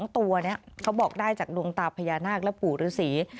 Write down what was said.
ตัวนี้เขาบอกได้จากดวงตาพญานาคและปู่ฤษี